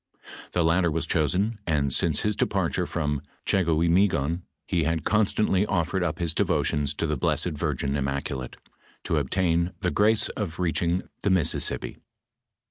The latter was chosen, and since his departure from Gbegoimegon, he had constantly offered up his devotions to the blessed Virgin Immaculate, to obtain the grace of reach ing the Mississippi.